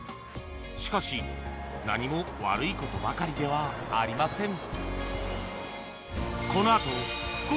しかし、何も悪いことばかりではありません。